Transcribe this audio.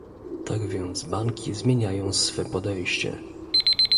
Tak więc banki zmieniają swe podejście